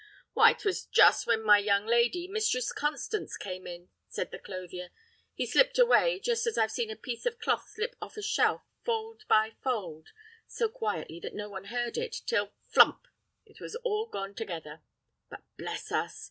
"Why, 'twas just when my young lady, Mistress Constance, came in," said the clothier; "he slipped away, just as I've seen a piece of cloth slip off a shelf, fold by fold, so quietly that no one heard it, till, flump! it was all gone together. But, bless us!"